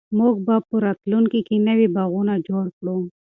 موږ به په راتلونکي کې نوي باغونه جوړ کړو.